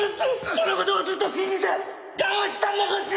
その言葉をずっと信じて我慢してたんだこっちは！